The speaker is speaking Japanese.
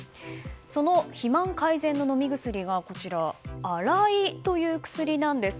その肥満改善の飲み薬がアライという薬なんです。